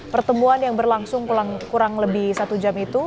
pertemuan yang berlangsung kurang lebih satu jam itu